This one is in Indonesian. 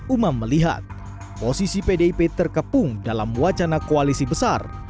umam melihat posisi pdip terkepung dalam wacana koalisi besar